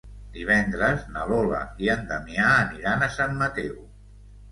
Divendres na Lola i en Damià aniran a Sant Mateu.